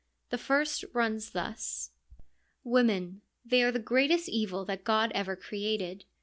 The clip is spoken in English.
The first runs thus : Women, they are the greatest evil that God ever created.